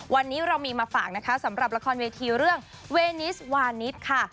วันนี้เรามีมาฝากนะคะสำหรับละครเวทีเรื่องเวนิสวานิสค่ะ